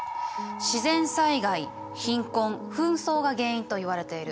自然災害貧困紛争が原因といわれている。